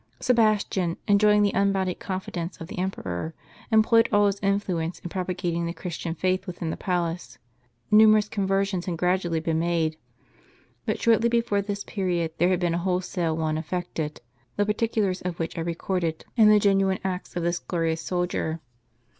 Sebastian, enjoying the unbounded confidence of the em peror, employed all his influence in propagating the Christian faith within the palace. Numerous conversions had gradually been made ; but shortly before this period there had been a wholesale one effected, the particulars of which are recorded in the genuine Acts of this glorious soldier.